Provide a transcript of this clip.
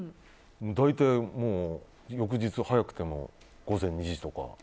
大体、翌日早くても午前２時とか。